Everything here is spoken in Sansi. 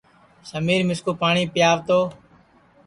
سمیرمِسکُو پاٹؔی پیو تو